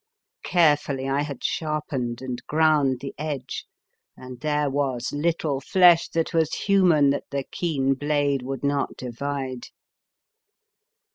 Carefully I had sharpened and ground the edge, and there was little flesh that was human that the keen blade would not divide.